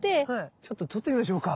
ちょっと撮ってみましょうか。